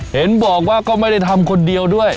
เห็นบอกว่าก็ไม่ได้ทำคนเดียวด้วย